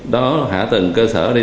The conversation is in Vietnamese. đó hạ tầng cơ sở ở đây